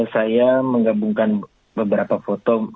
saya menggabungkan beberapa foto